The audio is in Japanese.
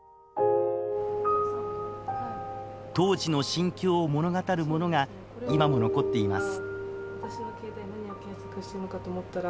当時の心境を物語るものが今も残っています。